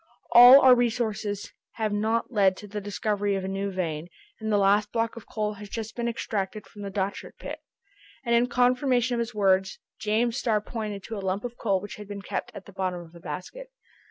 All our researches have not led to the discovery of a new vein, and the last block of coal has just been extracted from the Dochart pit." And in confirmation of his words, James Starr pointed to a lump of coal which had been kept at the bottom of a basket.